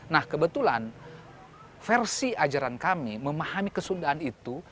nah kebetulan versi ajaran kami memahami kesundaan itu